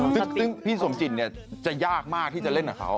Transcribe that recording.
ซึ่งซึ่งพี่สมจิตเนี่ยจะยากมากที่จะเล่นกับเขา